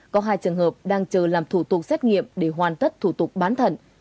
có hai trường hợp đang chờ làm thủ tục xét nghiệm để hoàn tất thủ tục bán thận